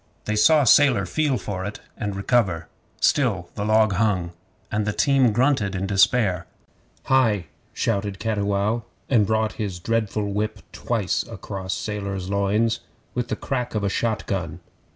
They saw Sailor feel for it, and recover. Still the log hung, and the team grunted in despair. 'Hai!' shouted Cattiwow, and brought his dreadful whip twice across Sailor's loins with the crack of a shot gun.